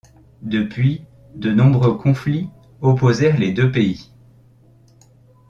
Depuis, de nombreux conflits opposèrent les deux pays.